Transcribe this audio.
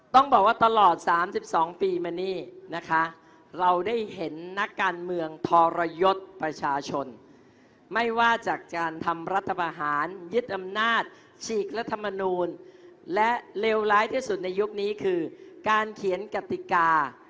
ต้องบอกว่าตลอด๓๒ปีมานี่นะคะเราได้เห็นนักการเมืองทรยศประชาชนไม่ว่าจากการทำรัฐประหารยึดอำนาจฉีกรัฐมนูลและเลวร้ายที่สุดในยุคนี้คือการเขียนกติกา